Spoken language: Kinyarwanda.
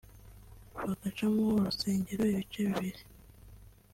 bagacamo urusengero ibice bibiri